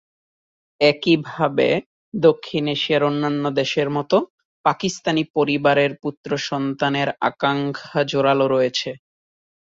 একইভাবে দক্ষিণ এশিয়ার অন্যান্য দেশের মতো, পাকিস্তানি পরিবারের পুত্র সন্তানের আকাঙ্খা জোরালো রয়েছে।